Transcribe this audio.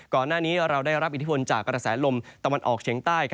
ก่อนหน้านี้เราได้รับอิทธิพลจากกระแสลมตะวันออกเฉียงใต้